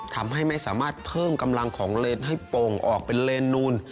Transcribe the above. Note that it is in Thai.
ทำให้ไม่สามารถเพิ่มกำลังของเลนให้โป่งออกเป็นเลนนูน